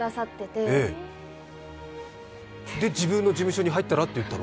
それで自分の事務所に入ったらって言ったの？